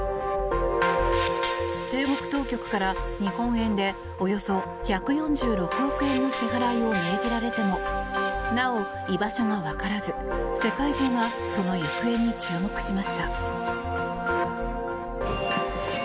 中国当局から日本円でおよそ１４６億円の支払いを命じられてもなお、居場所が分からず世界中がその行方に注目しました。